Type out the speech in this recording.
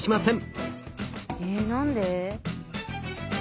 え何で？